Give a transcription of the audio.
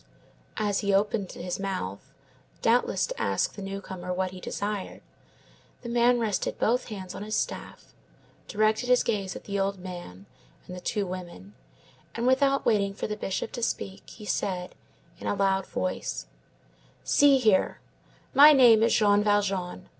As he opened his mouth, doubtless to ask the newcomer what he desired, the man rested both hands on his staff, directed his gaze at the old man and the two women, and without waiting for the Bishop to speak, he said, in a loud voice:— "See here. My name is Jean Valjean.